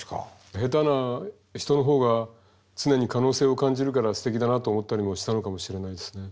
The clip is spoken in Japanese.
下手な人の方が常に可能性を感じるからすてきだなと思ったりもしたのかもしれないですね。